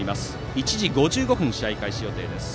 １時５５分試合開始予定です。